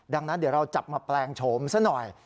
ดังนั้นเดี๋ยวเราจับมาแปลงโฉมซะหน่อย